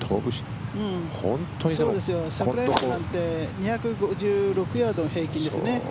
櫻井さんなんて２５６ヤード、平均ですね。